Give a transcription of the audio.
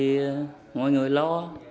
thì mọi người lo